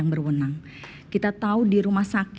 kami mengpasang perprinip yang mempunyai salah satu